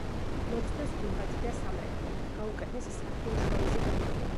მოხსნეს გუმბათი და სამრეკლო, გაუკეთეს სართულშორისი გადახურვა.